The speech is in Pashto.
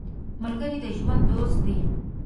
ملګری د ژوند دوست دی